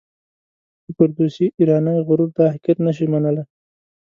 د فردوسي ایرانی غرور دا حقیقت نه شي منلای.